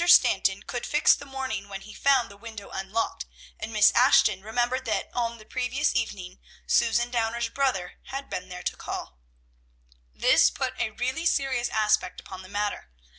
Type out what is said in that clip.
Stanton could fix the morning when he found the window unlocked, and Miss Ashton remembered that on the previous evening Susan Downer's brother had been there to call. This put a really serious aspect upon the matter.